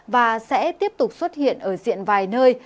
và sẽ tiếp tục xuất hiện ở diện vài nơi